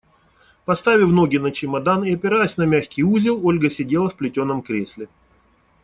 Поставив ноги на чемодан и опираясь на мягкий узел, Ольга сидела в плетеном кресле.